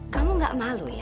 kamu gak malu ya